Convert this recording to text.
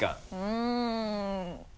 うん。